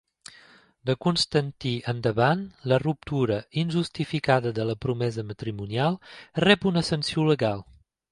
De Constantí endavant la ruptura injustificada de la promesa matrimonial rep una sanció legal.